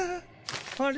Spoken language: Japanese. あれ？